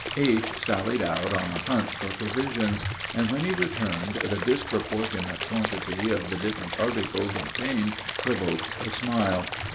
H. sallied out on a hunt for provisions, and when he returned the disproportionate quantity of the different articles obtained provoked a smile.